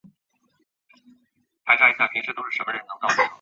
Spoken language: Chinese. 爱的药是一本美国小说。